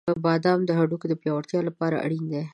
• بادام د هډوکو د پیاوړتیا لپاره اړین دي.